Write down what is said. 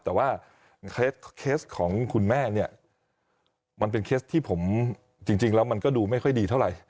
แต่ว่าเคสของคุณแม่เนี่ยมันเป็นเคสที่ผมจริงแล้วมันก็ดูไม่ค่อยดีเท่าไหร่